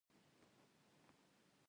هغه په خپل کور کې تر څارنې لاندې و.